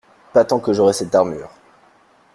Pas tant que j'aurai cette armure.